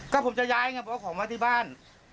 ก็ผมจะย้ายไงเพราะของมาที่บ้าน